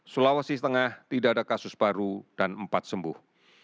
sulawesi tengah tidak ada kasus baru dan empat sembuh